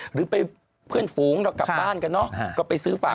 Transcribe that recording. หรือไปเพื่อนฝูงเรากลับบ้านกันเนอะก็ไปซื้อฝ่า